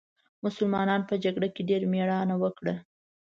مسلمانانو په جګړه کې ډېره مېړانه وکړه.